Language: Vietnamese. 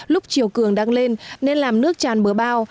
lúc chiều cường đang lên nên làm nước tràn bờ bao